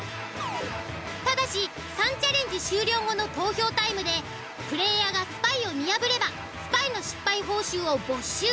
ただし３チャレンジ終了後の投票タイムでプレイヤーがスパイを見破ればスパイの失敗報酬を没収。